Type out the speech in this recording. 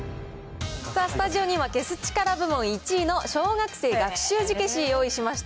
さあ、スタジオには消す力部門１位の小学生学習字消しを用意しました。